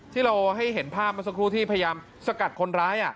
ที่เราให้เห็นภาพเมื่อสักครู่ที่พยายามสกัดคนร้าย